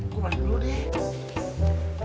gua balik dulu deh